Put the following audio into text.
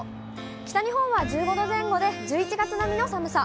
北日本は１５度前後で、１１月並みの寒さ。